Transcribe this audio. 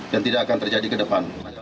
dan tidak akan terjadi ke depan